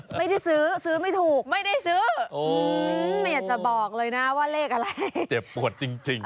ไม่ได้ซื้อซื้อไม่ถูกไม่ได้ซื้อไม่อยากจะบอกเลยนะว่าเลขอะไรเจ็บปวดจริง